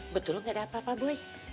betul nggak ada apa apa boy